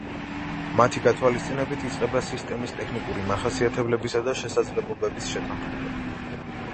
მათი გათვალისწინებით იწყება სისტემის ტექნიკური მახასიათებლებისა და შესაძლებლობების შეთანხმება.